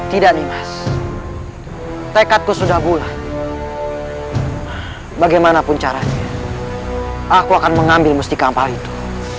tidak nih mas tekadku sudah bulan bagaimanapun caranya aku akan mengambil mustika ampah itu